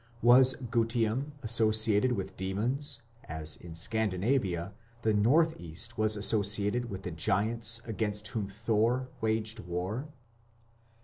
Was Gutium associated with demons, as in Scandinavia the north east was associated with the giants against whom Thor waged war?